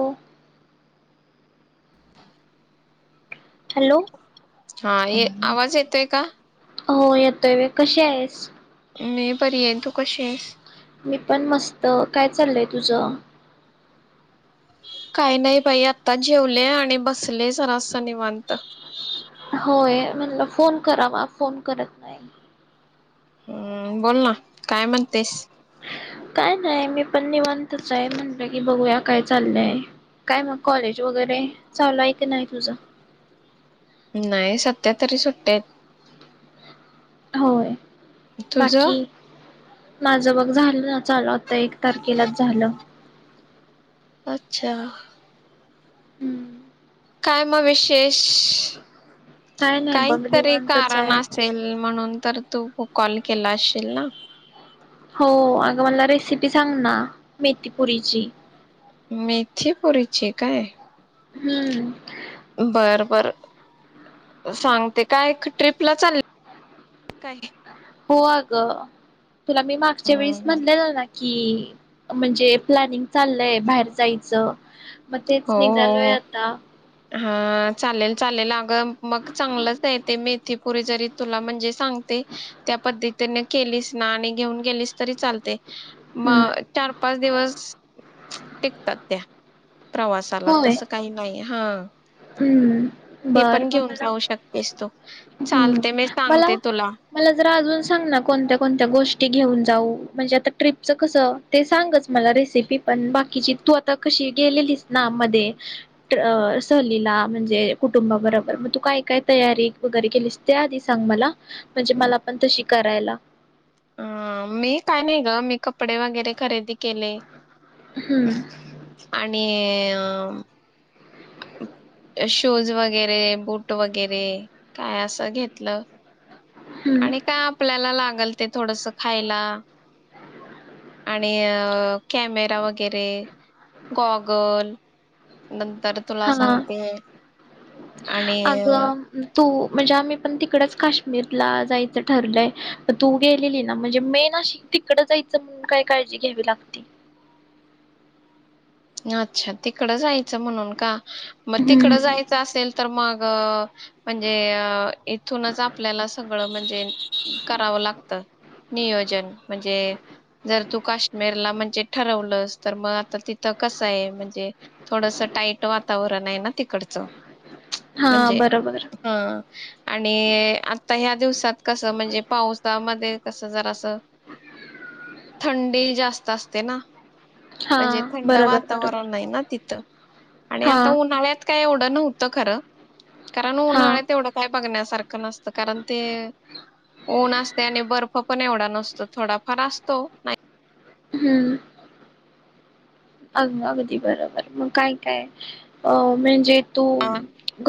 हो हॅलो हा ये आवाज येतोय का हो येतोव कशी आहेस मी बरी येईन तू कशी आहेस मी पण मस्त काय चाललय तुझ काही नाही बाई आता जेवले आणि बसले सरास निवांत होय म्हणलं फोन करावा फोन करत नाही हम्म बोल ना काय म्हणतेस? काय नाही मी पण निवांतच हाय म्हणलं, की बघूया काय चाललंय काय मग कॉलेज वगैरे चालू हाय की नाही तुझ नाही सध्या तरी सुट्या आहेत. होय. तुझं? बाकी माझं बघ झालं ना. चालू आता एक तारखेलाच झालं. अच्छा हम्म. काय म विशेष? काय नाही काही बघ तरी निवांतच कारण आहे असेल म्हणून तर, तू कॉल केला असशील ना. हो अगं मला रेसिपी सांग ना मेथीपुरीची मेथी पुरीची काय? हम्म. बर बर सांगते, काय ट्रीपला चालला काय? हो अग. तुला मी मागच्या वेळेस हम्म. म्हणलेलं ना. कि म्हणजे प्लॅनिंग चाललय बाहेर जायचं. मग तेच हो निघालोय हो आता हा चालेल. चालेल अगं मग चांगलंच आहे, ते मेथीपुरी जरी तुला म्हणजे सांगते, त्या पद्धतीने केलीस ना आणि घेऊन गेलीस तरी चालतय. म हम्म चार पाच दिवस टिकतात त्या प्रवासाला तसं काही नाही हा. हम् बर मला जाऊ शकतेस तू. हम् चालते मी मला सांगते तुला. मला जरा अजून सांग ना कोणत्या कोणत्या गोष्टी घेऊन जाऊ, म्हणजे आता ट्रिपच कस ते सांगच मला रेसिपी पण, बाकीची तू आता कशी गेलेलीस ना मध्ये तर सहलीला म्हणजे कुटुंबाबरोबर मग तू काय काय तयारी वगैरे केलीस? ते आधी सांग मला म्हणजे मला पण तशी करायला. अ मी काय नाही ग मी कपडे वगेरे खरेदी केलय हम्म आणि अ. अ. शूज वगेरे बूट वगेरे काय असं घेतलं? हम्म. आणि का आपल्याला लागतय? गलते थोडस खायला. आणि अ कॅमेरा वगेरे गॉगल नंतर तुला हां. सांगते आणि अ अगं तू म्हणजे आम्ही पण तिकडच काश्मीरला जायचं ठरलय, तू गेलेली ना म्हणजे मेन अशी तिकड जायचं म्हणून काय काळजी घ्यावी लागते. अच्छा तिकडं जायचं म्हणून का? मग तिकडं हम्म. जायचं असेल तर मग म्हणजे इथूनच आपल्याला सगळं म्हणजे करावं लागतं नियोजन म्हणजे जर तू काश्मीरला म्हणजे ठरवलंस तर मग आता ति कसं आहे म्हणजे थोडस टाईट वातावरण आहे ना तिकडचं हां म्हणजे बरोबर. हा आणि आता ह्या दिवसात कसं म्हणजे पावसामध्ये कसं जरा असं थंडी जास्त असते ना म्हणजे हा थंड वातावरण आहे ना तिथ आणि आता हां. उन्हाळ्यात काय एवढं न त खरं कारण हां. उन्हाळ तेवढं काय बघण्यासारखं सत कारण ते ऊन असते आणि बर्फ पण एवढा नसतो थोडाफार असतो नाही हम्म अ अगदी बरोबर मग काय काय अ म्हणजे त का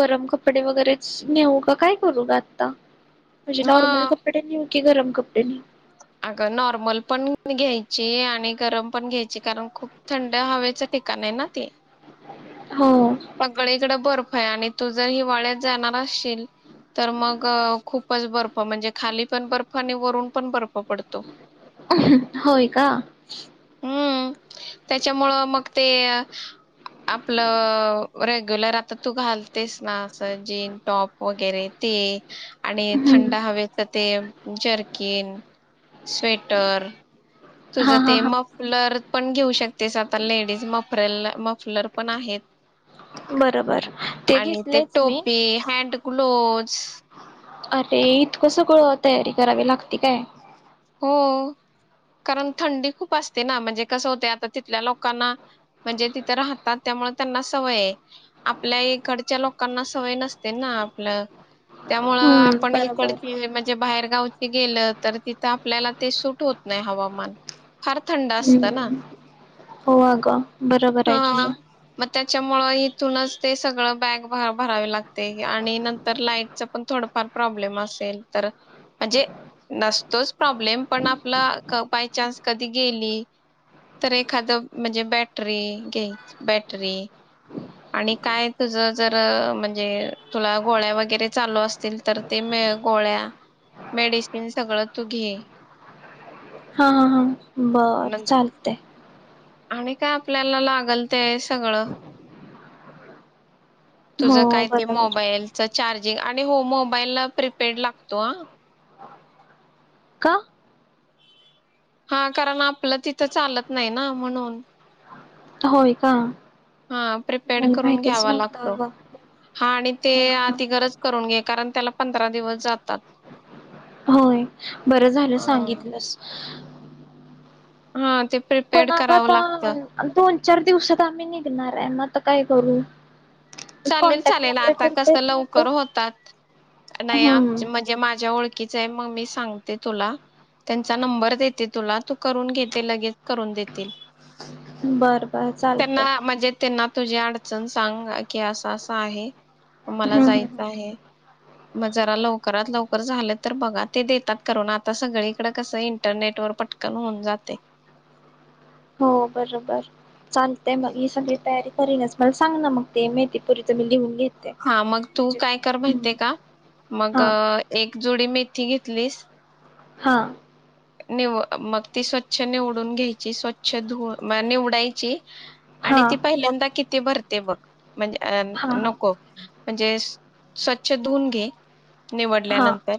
गरम कप कपडे वगैरेच नेऊ का काय करू ग आता म्हणजे नॉर्मल हां. कपडेऊ क गरम कपडेने अगं नॉर्मल पण घ्यायची आणि गरम पण घ्यायची कारण खूप थंड हवेचं ठिकाण आहे ना ते हो. पगळे इकडं भर य आणि तू जर हिवाळ्यात जाणार असशल तर मग खूपच बर्फ म्हणजे खाली पण बर्फ आणि वरून पण बर्फ पडतो होय का हम् त्याच्यामुळं मग ते आपलं रेग्युलर आता तू घालतेस ना असं जीन टॉप वगैरे ते आणि हम्म. थंड हवे तर ते जर्किन, स्वेटर. हां तुझं हां ते हां. मफ लर. पण घेऊ शकतेस आता लेडीज मफरल मफलर पण आहेत. बरोबर आणि ते घेतलंयच मी टोपी, हँड ग्लोव [inaudible] अरे इतकं सगळं अ तयारी करावी लागती काय? हो कारण थंडी खूप असते ना म्हणजे कसं होतय आता तिथल्या लोकांना म्हणजे तिथं राहतात त्यामुळे त्यांना सवये आपल्या इकडच्या लोकांना सवय नसते ना आपलं त्यामुळं हम्म आपण बरोबर इकडची म्हणजे बाहेर [unintelligible] ती गेलं तर तिथं आप पल्याला ते सुट होत नाय हवामान. फार थंड असता ना. हम्म हो अग. हां म त्याच्यामुळं इ तथूनच ते सगळं बॅग भरावे लागते आणि नंतर लाईटच पण थोडफार प्रॉब्लेम असेल तर म्हणजे नसतोच प्रॉब्लेम पण आपला बायचान्स कधी गेली तर एखाद म्हणजे बॅट टरी घे बॅटरी आणि काय तुझ जर अ म्हणजे तुला गोळ्या वगैरे चालू असतील तर ते मे गोळ्या मेडिसिन सगळं तू घे. हांहांहां. बअर न चालतय. आणि काय आपल्यांला लांगल तें सगळं. हो तुझं काय ते बरोबर मोबाईलच चार्ज जे आणि हो मोबाईला प्रिपेड लांगतो आं. का? हां कारण आपलं तिथं चालत नाईना म्हणून. होय का? हां प्रिपेड मला करून माहितच घ्यावा नव्हतं लागतो अगं हां आणि ते हा हा अति गरज करून घे कारण त्याला पंधरा दिवस जातात. [unintelligible] बर झालं अ सांगितलंस हां ते पण प्रिपेड आग करावं ता लागतं अन दोन चार दिवसात आम्ही निगनाराय म आता काय करू? चालेल कॉन्टॅक्ट चालेल वगैरे आता कस करता येत नाही का लवकर होतात नाही आम हम्म म्हणजे माझ्या ओळखी च आहे ममी सांगते तुला त्यांचा नंबर देते तुला तू करून घे ते लगेच करून देतील. बर बर चालतंय. त्यांना म्हणजे त्यांना तुझी अडचण सांग ऐक की आसंआसं आहे. हम्म मलां जांयचं हम्म आहे. म जरा लवकरात लवकर झालंतर बघा ते देतात करून आता सगळीकडें कसं इंटरनेटवर पटकन होऊन जातंय. हो बरोबर चालतय मग मी सगळी तयारी करीनच मला सांग ना मग ते मेथीपुरीच मी लिहून घे हा मग तू काय कर माहितेय का? मग हा एक जुडी मी थी घेतलीस, हां. निव मग ती स्वच्छ निवडून घ्यायची, स्वच्छ धु निवडायची हा आणि ती पहिल्यांदा किती भरते. ते बघ. म्हणजे अ हा नको. म्हणजे स्वच्छ धुूवून घे. हा निवडल्यानंतर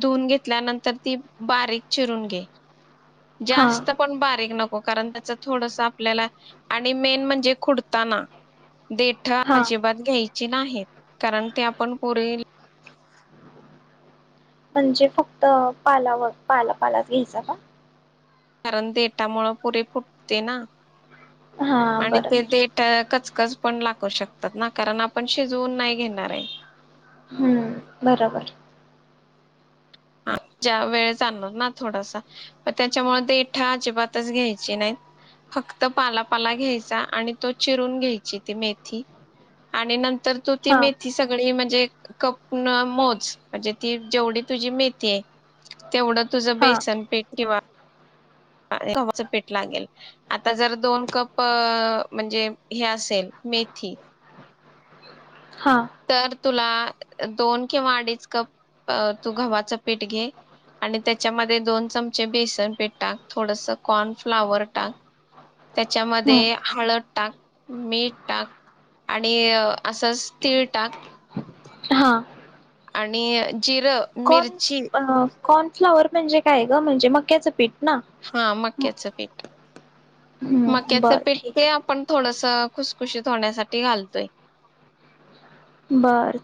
धुवून घेतल्यानंतर ती बारीक चरून घे. हा हा जास्त पण बारीक नक कारण त्याच थोडस आपल्याला आणि मेन म्हणजे खुडताना देठ हा अजिबात घ्यायची नाही कारण ते आपण पुरेल म्हणजे फक्त पालावर पाला पालाच घ्यायचा का? कारण देटामुळं पुरे फुटते ना. हा आणि बरं ते देट कचकच पण लागू शकतात ना, कारण आपण शिजवून नाही घेणार आहे. हम्म बरोबर. हा ज्या वेळ जाणार ना थोडासा म त्याच्यामुळे देठा अजिबातच घ्यायची नाहीत, फक्त पाला-पाला घ्यायचा आणि तो चिरून घ्यायची ती मेथी आणि न तर तू ती हा मेथी सगळी म्हणजे कप न मोज म्हणजे ती जेवढी तुझी मे ते तेवढं तुझं हा बेसन पीठ किंवा घवाच पीठ लागेल. आता जर दोन कप म्हणजे हे असेल मेथी हां. तर तुला दोन किंवा अडीज कप तू गव्हाच पीठ घे, आणि त्याच्यामध्ये दोन चमचे बेसन पीठ टाक, थोडस कॉर्नफ्लावर टाक, हम्म त्याच्यामध्ये हळद टाक, मीठ टाक, आणि असंच तिळ टाक. हां. आणि जिरं, मिरची, कॉर्नफ्लावर म्हणजे काय ग? म्हणजे मक्याचं पीठ ना? हां मक्याचं पीठ. हम्म मक्याचं बरं पीठ ठीक ते आपण थोडस खुसखुशीत होण्यासाठी घालतोय. बर.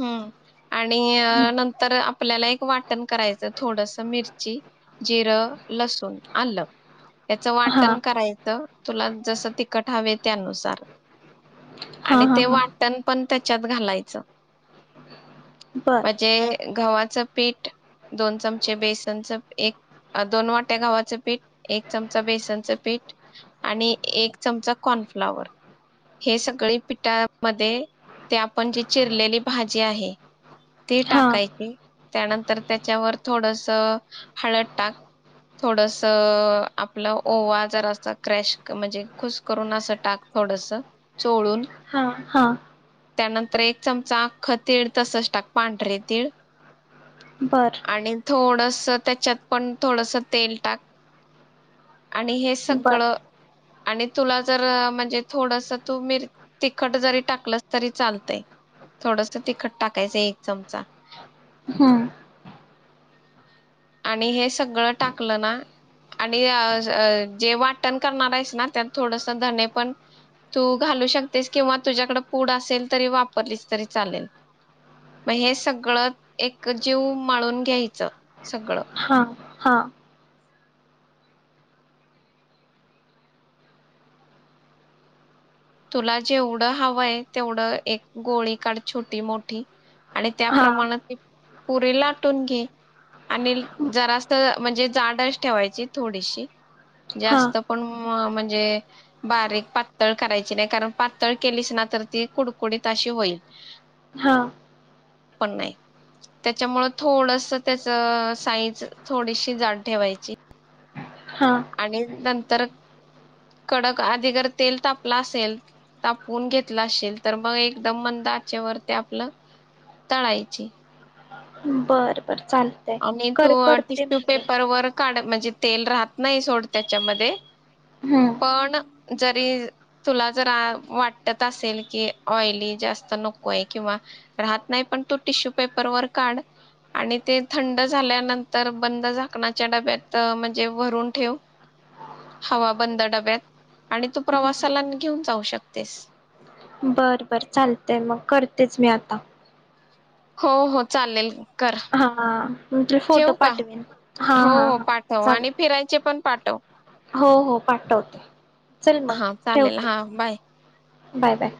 हम्म. आणि हा नंतर आपल्याला एक वाटण करायचं थोडस मिरची, जिरं, लसूण, आलं, याचं वाटण करायचं तुला जसं तिखट हवे त्यानुसार. हा आणि हा ते हा वाटण पण त्या त्याच्यात घालायचं बर म्हणजे गावात पीठ दोन चमचे बेसनच एक दोन वाट्या गव्हाच पीठ एक चमच बेसनच पीठ आणि एक चमचा कॉर्नफ्लवर हे सगळी पीठामध्ये ते आपण ज रलेली भाजी आहे ते हा टाकायचे त्यानंतर त्याच्यावर थोडस हळद टाक थोडस आपलं ओवा जर असं क्रॅश म्हणजे खुस करून असं टाक थोडस चोळून हा हा त्यानंतर एक चमचा आख्ख तीळ तसच टाक पांढरे तीळ बर आणि थोडस त्याच्यात पण थोडस तेल टाक आणि हे बर सगळं आणि तुला जर म्हणजे थोडस तू मी तिखट जरी टाकलंस तरी चालतंय थोडस तिखट टाकायचं एक चमचा हम्म आणि हे सगळं टाकलं ना आणि जे वाटण करनार आहेस ना त्यात थोडस धणे पण तू घालू शकतेस किंवा तुझ्याकड पूड असेल तरी वापरलीस तरी चालेल मग हे सगळं एक जीव माळून घ्यायचं. सगळं. हा हा तुला जेवढं हवंय तेवढं एक गोळी काढ छोटी मोठी. आणि हा त्याप्रमाण. पुरी लाटून घे आणि जरास म्हणजे जाडच ठेवायची थोडीशी. हा जास्त पण म्ह म्ह म्हंजे बारीक पातळ कराय कारण पातळ केलीच ना तर ती कुडकुडीत अशी होईल. हा पण नाही त्याच्यामुळं थोडस त्याच साईज थोडीशी जाड ठेवायची. हा आणि नं तर कडक आधी जर तेल तापला असेल तापून घेतला असशील तर मग एकदम मंदाचे वरती आपलं तळायचे. बर बर चालतय आणि तू कर करते टिश्यू मग मी पेपर वर काढ म्हंजे तेल राहत नाही सोड त्याच्यामध्ये. हम्म पण जरी तुला जरा वाटत असेल की ऑइली जास्त नको आहे किंवा राहत नाही पण तू टिश्यू पेपरवरर काढ आणि ते थंड झाल्यानंतर बंद झाकणाच्या डब्यात म्हणजे भरून ठेव हवा बंद डब्यात आणि तू प्रवासाला घेऊन जाऊ शकतेस. बर बर चालतय मग करतेच मी आता. हो हो चालेल कर. म्हणजे फोटो ठेवू का? पाठवेन हा हो हा हो हा पाठव चाल. आणि फिरायचे पण पाठव हो हो पाठवते. चल मग हा चालेल ठेवते हा बाय. Bye bye.